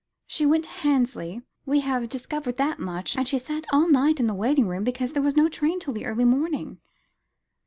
She went to Hansley. We have discovered that much, and she sat all night in the waiting room, because there was no train till the early morning."